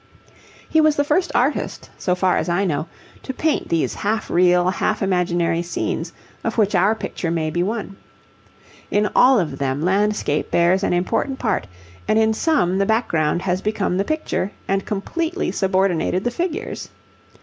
He was the first artist, so far as I know, to paint these half real, half imaginary scenes, of which our picture may be one. In all of them landscape bears an important part, and in some the background has become the picture and completely subordinated the figures.